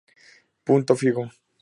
Punto Fijo